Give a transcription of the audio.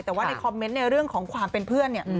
แต่ว่าในคอมเมนต์ในเรื่องของความเป็นเพื่อนเนี่ย